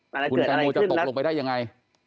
คุณแตงโมจะตกลงไปได้ยังไง